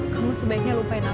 kamu sebaiknya lupain aku